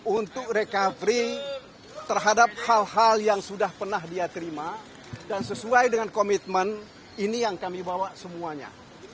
untuk recovery terhadap hal hal yang sudah pernah dia terima dan sesuai dengan komitmen ini yang kami bawa semuanya